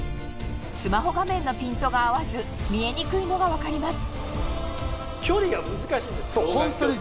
スマホ画面のピントが合わず見えにくいのが分かります